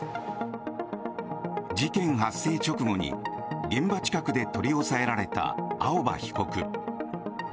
事件発生直後に、現場近くで取り押さえられた青葉被告。